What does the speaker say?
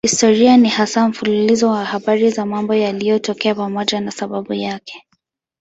Historia ni hasa mfululizo wa habari za mambo yaliyotokea pamoja na sababu zake.